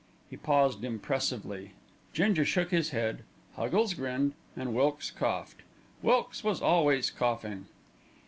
He paused impressively, Ginger shook his head, Huggles grinned and Wilkes coughed, Wilkes was always coughing.